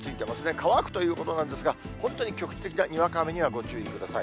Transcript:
乾くということなんですが、本当に局地的なにわか雨にはご注意ください。